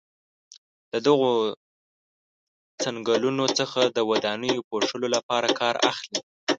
له دغو څنګلونو څخه د ودانیو پوښلو لپاره کار اخلي.